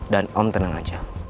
dan om tenang aja